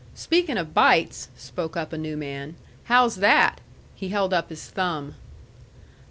"Speakin' of bites," spoke up a new man, "how's that?" He held up his thumb.